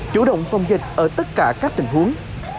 chủ động phòng dịch ở tất cả các tình huống